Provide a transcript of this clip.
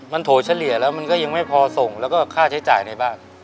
มันโถเฉลี่ยแล้วมันก็ยังไม่พอส่งแล้วก็ค่าใช้จ่ายในบ้าน